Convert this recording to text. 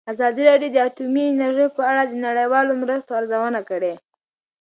ازادي راډیو د اټومي انرژي په اړه د نړیوالو مرستو ارزونه کړې.